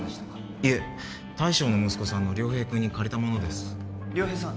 いえ大将の息子さんの亮平君に借りたものです亮平さん